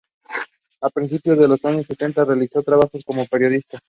A principios de los años sesenta, realizó trabajos como periodista.